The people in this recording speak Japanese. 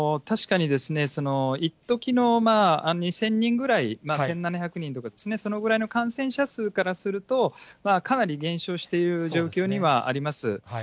確かに一時の２０００人ぐらい、１７００人ぐらいとかですね、そのぐらいの感染者数からすると、かなり減少している状況にはあります。